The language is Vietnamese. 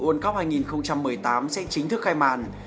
world cup hai nghìn một mươi tám sẽ chính thức khai màn